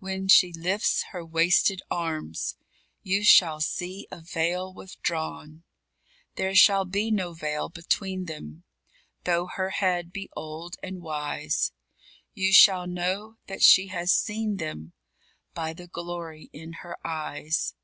When she lifts her wasted arms You shall see a veil withdrawn. There shall be no veil between them, Though her head be old and wise. You shall know that she has seen them, By the glory in her eyes.